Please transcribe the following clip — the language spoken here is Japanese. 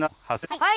はい。